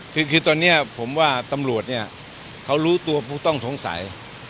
คือตอนนี้ผมว่าตำรวจเนี่ยเขารู้ตัวผู้ต้องสงสัย